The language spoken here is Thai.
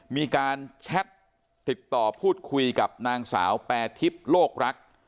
มีการแชทติดต่อพูดคุยกับนางสาวแปรทิพย์โลกรัก